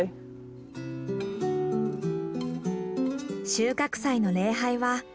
収穫祭の礼拝は２日後。